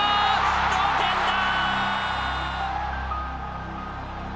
同点だ！